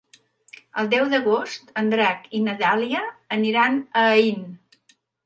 El deu d'agost en Drac i na Dàlia aniran a Aín.